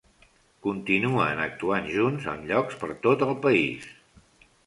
Continuen actuant junts en llocs per tot el país.